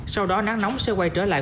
sau đó nắng nóng sẽ quay trở lại